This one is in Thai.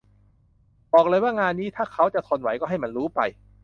บอกเลยว่างานนี้ถ้าเขาจะทนไหวก็ให้มันรู้ไป